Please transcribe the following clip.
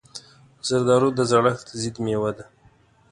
زردالو د زړښت ضد مېوه ده.